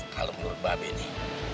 kalau menurut babi nih